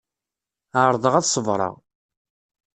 Ԑerḍeɣ ad ṣebreɣ.